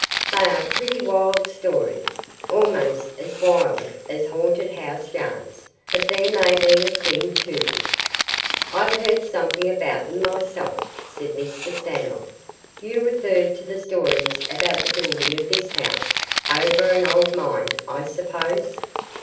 They are pretty wild stories, almost as wild as haunted house yarns, but there may be thing to them." "I've heard something about them myself," said Mr. Stanlock. "You refer to the stories about the building of this house over an old mine, I suppose?